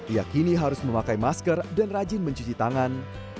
ia kini harus memakai masker dan rajin mencuci tangan